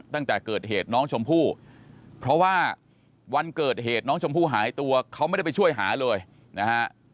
ตั้งแต่เกิดเหตุน้องชมพู่เพราะว่าวันเกิดเหตุน้องชมพู่หายตัวเขาไม่ได้ไปช่วยหาเลยนะฮะ